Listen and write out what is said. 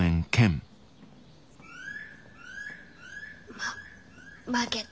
ま負けた。